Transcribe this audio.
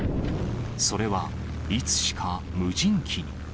それはいつしか無人機に。